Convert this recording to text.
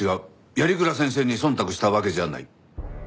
鑓鞍先生に忖度したわけじゃない。